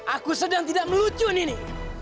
aku sedang tidak melucu nini